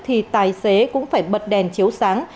thì tài xế cũng phải bật đèn chiếu sáng